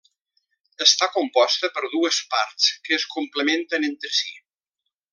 Està composta per dues parts que es complementen entre si.